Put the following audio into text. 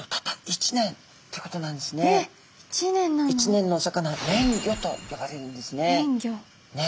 １年のお魚年魚と呼ばれるんですね。